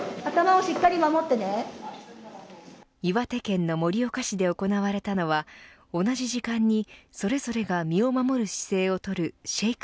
岩手県の盛岡市で行われたのはそれぞれが身を守る姿勢を取るシェイク